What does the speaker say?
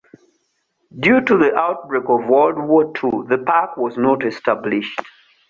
Due to the outbreak of World War Two, the park was not established.